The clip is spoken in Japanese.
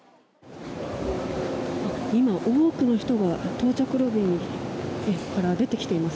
今、多くの人が到着ロビーから出てきています。